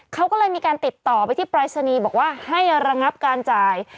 เขาก็เลยมีการติดต่อไปที่ปรายศนีย์บอกว่าให้ระงับการจ่าย